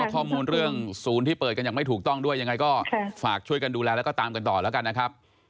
ข้อมูลเรื่องศูนย์ที่เปิดกันอย่างไม่ถูกต้องด้วยยังไงก็ฝากช่วยกันดูแลแล้วก็ตามกันต่อแล้วกันนะครับ